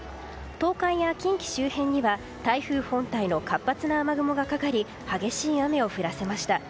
東海や近畿周辺には台風本体の活発な雨雲がかかり激しい雨を降らせました。